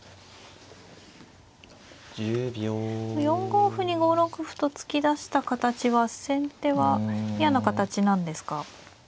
４五歩に５六歩と突き出した形は先手は嫌な形なんですか。